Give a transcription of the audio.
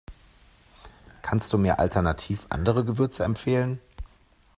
Kannst du mir alternativ andere Gewürze empfehlen?